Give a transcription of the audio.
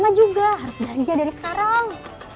bu salma juga harus belanja dari sekarang